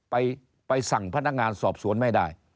ไปสั่งพนักงานสอบสวนไม่ได้